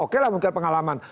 oke lah mungkin pengalaman